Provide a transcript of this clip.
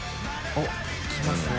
おっいきますね。